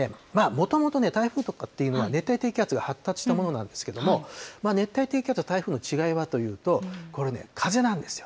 もともとね、台風とかっていうのは、熱帯低気圧が発達したものなんですけれども、熱帯低気圧と台風の違いはというと、これね、風なんですよ。